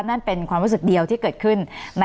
นั่นเป็นความรู้สึกเดียวที่เกิดขึ้น